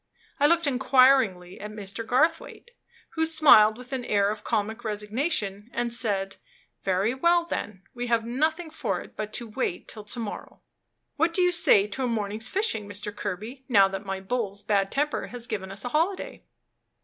I looked inquiringly at Mr. Garthwaite, who smiled with an air of comic resignation, and said, "Very well, then, we have nothing for it but to wait till to morrow. What do you say to a morning's fishing, Mr. Kerby, now that my bull's bad temper has given us a holiday?"